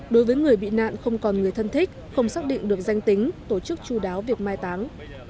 đối với người bị nạn không còn người thân thích không xác định được danh tính tổ chức chú đáo việc mai táng